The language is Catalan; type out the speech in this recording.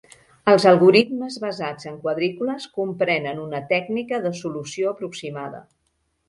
Els algoritmes basats en quadrícules comprenen una tècnica de solució aproximada.